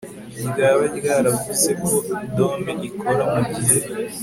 ryaba ryaravuze ko dome ikora mu gihe